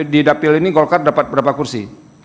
di dapil ini golkar dapat berapa kursi